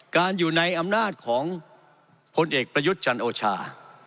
การอยู่ในอำนาจของพลเอกประยุทธ์จันโอชา